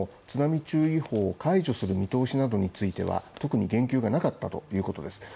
津波注意報を解除する見通しなどについては特に言及がなかったということです。